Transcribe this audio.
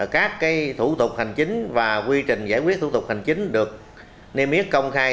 các thủ tục hành chính và quy trình giải quyết thủ tục hành chính được niêm yết công khai